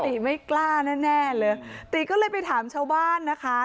ติไม่กล้าแน่แน่เลยติก็เลยไปถามชาวบ้านนะคะ